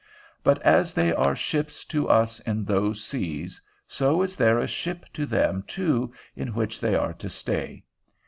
But as they are ships to us in those seas, so is there a ship to them too in which they are to stay.